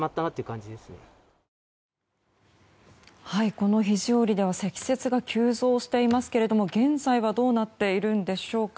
この肘折では積雪が急増していますが現在はどうなっているんでしょうか。